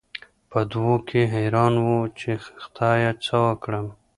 په دوو کې حېران وو، چې خدايه څه وکړم؟